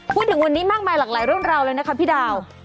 พูดถึงวันนี้มากมายหลากหลายเรื่องราวเลยนะคะพี่ดาว